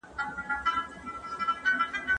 ایا مطالعه د ذهن په روښانتیا کي مرسته کوي؟